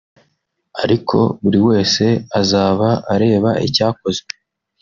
ariko buri wese azaba areba icyakozwe